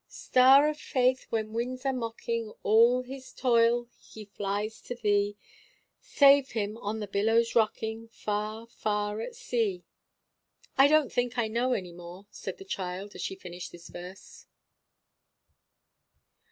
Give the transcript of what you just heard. "Star of Faith, when winds are mocking All his toil, he flies to Thee; Save him, on the billows rocking, Far, far at sea." "I don't think I know any more," said the child, as she finished this verse.